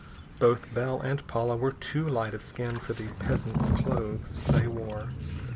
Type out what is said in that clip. Both Bell and Paula were too light of skin for the peasant's clothes they wore.